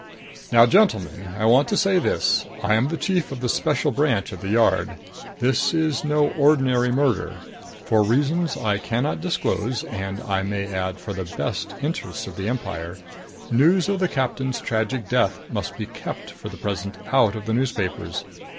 Now, gentlemen, I want to say this: I am the Chief of the Special Branch at the Yard. This is no ordinary murder. For reasons I can not disclose and, I may add, for the best interests of the empire news of the captain's tragic death must be kept for the present out of the newspapers.